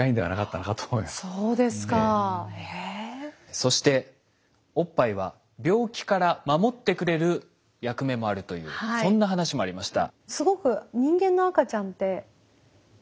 そしておっぱいは病気から守ってくれる役目もあるというそんな話もありました。